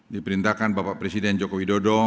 di perintahkan bapak presiden joko widodo